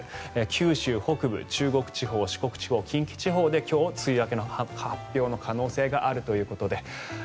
九州北部、中国地方四国地方、近畿地方で今日、梅雨明けの発表の可能性があるということで。